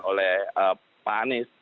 oleh pak anies